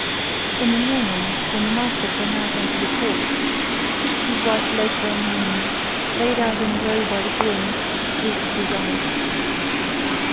In the morning, when the master came out on to the porch, fifty white Leghorn hens, laid out in a row by the groom, greeted his eyes.